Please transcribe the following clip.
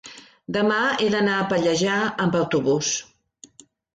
demà he d'anar a Pallejà amb autobús.